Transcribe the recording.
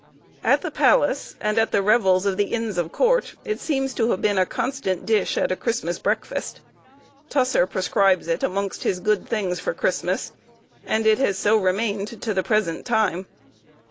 At the palace, and at the revels of the Inns of Court, it seems to have been a constant dish at a Christmas breakfast. Tusser prescribes it amongst his good things for Christmas, and it has so remained to the present time.